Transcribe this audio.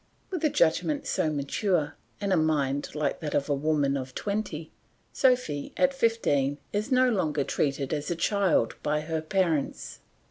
With a judgment so mature, and a mind like that of a woman of twenty, Sophy, at fifteen, is no longer treated as a child by her parents.